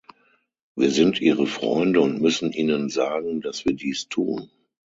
Wir sind ihre Freunde und müssen ihnen sagen, dass wir dies tun.